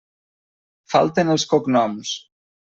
Falten els cognoms.